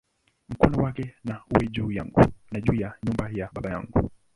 Mkono wako na uwe juu yangu, na juu ya nyumba ya baba yangu"!